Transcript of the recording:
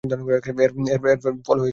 এর ফল হয়েছে দ্বিমূখী।